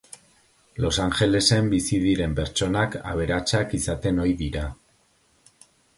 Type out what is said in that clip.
Los Angelesen bizi diren pertsonak aberatsak izaten ohi dira